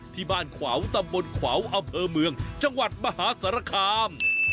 ที่บ้านขวาวตำบลขวาวอำเภอเมืองจังหวัดมหาสารคาม